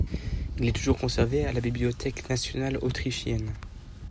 Il est toujours conservé à la Bibliothèque nationale autrichienne.